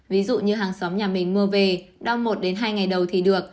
ví dụ như hàng xóm nhà mình mua về đong một hai ngày đầu thì được